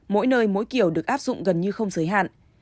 mỗi nơi mỗi kiểu được áp dụng gần như không giới hạn